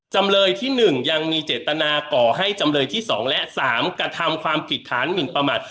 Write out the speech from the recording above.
จำเลยที่๑ยังมีเจตนาก่อให้จำเลยที่๒และ๓กระทำความผิดฐานหมินประมาท